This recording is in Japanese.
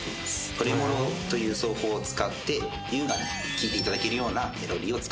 トレモロという奏法を使って優雅に聴いていただけるようなメロディーを作りました。